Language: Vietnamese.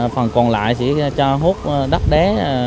phần còn lại chỉ cho hốt đất đá